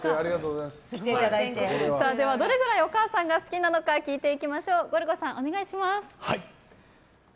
ではどれくらいお母さんが好きなのか聞いていきましょう。